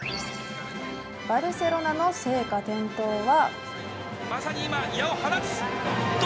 バルセロナの聖火点灯は。